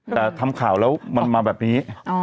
แต่ทำข่าวแล้วมันมาแบบนี้